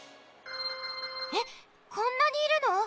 えっこんなにいるの？